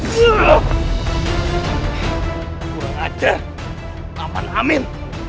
kurang ajar aman amin